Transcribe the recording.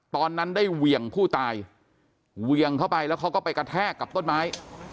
ตอนนั้นได้เหวี่ยงผู้ตายเวียงเข้าไปแล้วเขาก็ไปกระแทกกับต้นไม้